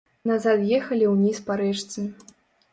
Назад ехалі ўніз па рэчцы.